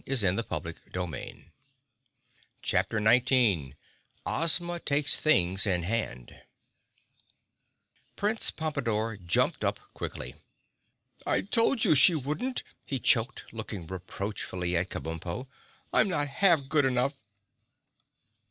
[Illustration: (unlabelled)] Chapter 19 Ozma Takes Things In Hand Prince Pompadore jumped up quickly. "I told you she wouldn't!" he choked, looking reproachfully at Kabumpo. "I'm not half good enough."